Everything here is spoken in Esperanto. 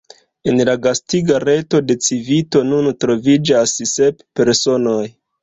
En la gastiga reto de la Civito nun troviĝas sep personoj.